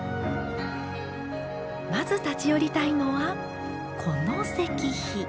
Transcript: まず立ち寄りたいのはこの石碑。